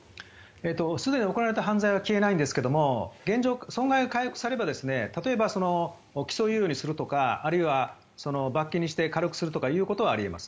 すでに行われた犯罪は消えないんですが現状、損害を回復すれば例えば起訴猶予にするとかあるいは罰金にして軽くするということはあり得ます。